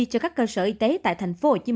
cho các cơ sở y tế tại tp hcm